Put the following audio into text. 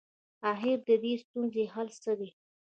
اخر ددې ستونزي حل څه دی؟